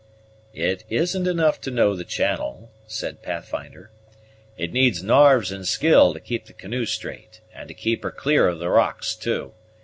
"It isn't enough to know the channel," said Pathfinder; "it needs narves and skill to keep the canoe straight, and to keep her clear of the rocks too.